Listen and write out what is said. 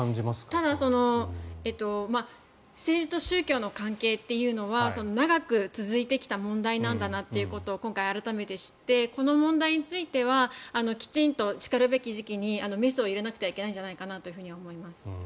ただ政治と宗教の関係っていうのは長く続いてきた問題なんだなということを今回改めて知ってこの問題についてはきちんとしかるべき時期にメスを入れなくてはいけないんじゃないかなと思います。